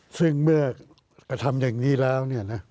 ซึ่งเมื่อกระทำอย่างนี้แล้ว